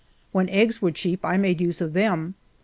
When eggs were cheap, I made use of them.